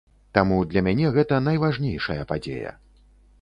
Таму для мяне гэта найважнейшая падзея.